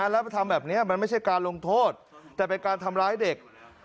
แล้วไปทำแบบนี้มันไม่ใช่การลงโทษแต่เป็นการทำร้ายเด็ก